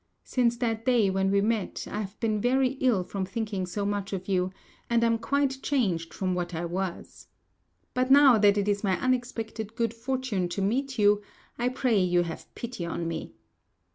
Since that day when we met, I have been very ill from thinking so much of you, and am quite changed from what I was. But now that it is my unexpected good fortune to meet you, I pray you have pity on me."